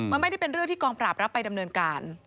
มันไม่ได้เป็นเรื่องที่กองปราบรับไปดำเนินการ